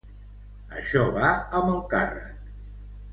Això va amb el càrrec.